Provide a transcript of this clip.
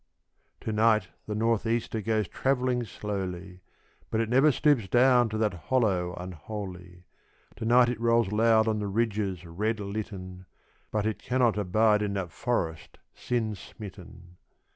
To night the north easter goes travelling slowly, But it never stoops down to that hollow unholy; To night it rolls loud on the ridges red litten, But it cannot abide in that forest, sin smitten.